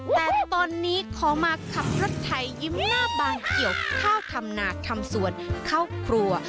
แต่ตอนนี้ขอมาขับรถไถยิ้มหน้าบางเกี่ยวข้าวทำหนากทำสวนเข้าครัว